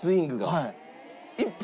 はい。